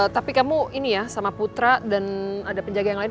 tapi kamu ini ya sama putra dan ada penjaga yang lain